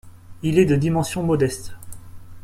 Il est de dimension modeste.